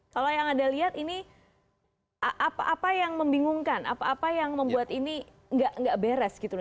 kalau yang anda lihat ini apa yang membingungkan apa apa yang membuat ini nggak beres gitu loh